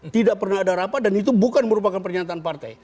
tidak pernah ada rapat dan itu bukan merupakan pernyataan partai